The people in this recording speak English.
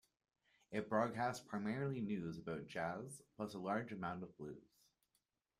It broadcasts primarily news and jazz, plus a large amount of blues.